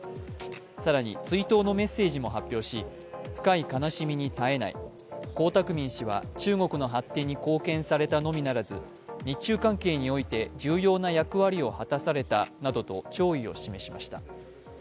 更に追悼のメッセージも発表し深い悲しみに堪えない、江沢民氏は中国の発展に貢献されたのみならず日中関係において重要な役割を果たされたなどと弔意を示しました。